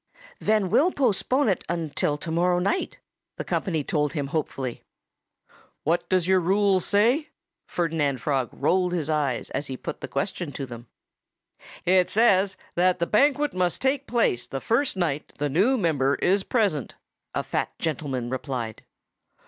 "Then we'll postpone it until to morrow night," the company told him hopefully. "What does your rule say?" Ferdinand Frog rolled his eyes as he put the question to them. "It says that the banquet must take place the first night the new member is present," a fat gentleman replied.